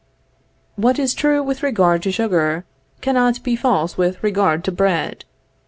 What is true with regard to sugar, cannot be false with regard to bread.